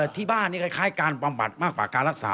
ที่บ้านนี่คล้ายการบำบัดมากกว่าการรักษา